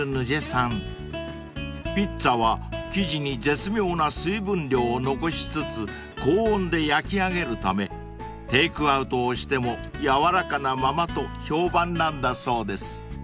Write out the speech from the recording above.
［ピッツァは生地に絶妙な水分量を残しつつ高温で焼き上げるためテークアウトをしても軟らかなままと評判なんだそうです］